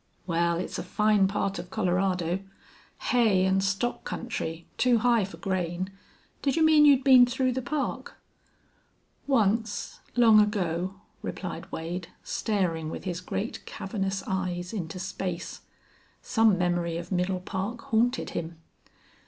"Wal, it's a fine part of Colorado. Hay an' stock country too high fer grain. Did you mean you'd been through the Park?" "Once long ago," replied Wade, staring with his great, cavernous eyes into space. Some memory of Middle Park haunted him.